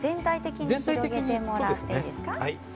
全体的に広げてもらっていいですか？